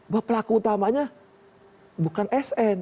bahwa pelaku utamanya bukan sn